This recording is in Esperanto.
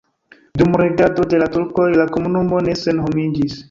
Dum regado de la turkoj la komunumo ne senhomiĝis.